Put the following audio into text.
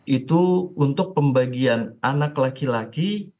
itu untuk pembagian anak laki laki